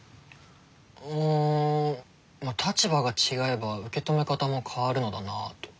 うんまあ立場が違えば受け止め方も変わるのだなあと。